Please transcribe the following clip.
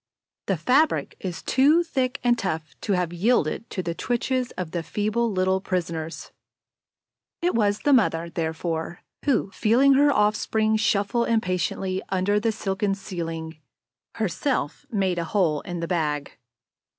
The fabric is too thick and tough to have yielded to the twitches of the feeble little prisoners. It was the mother, therefore, who, feeling her offspring shuffle impatiently under the silken ceiling, herself made a hole in the bag.